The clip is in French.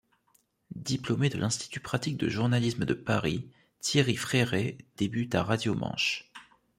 Diplômé de l'Institut pratique de journalisme de Paris, Thierry Fréret débute à Radio Manche.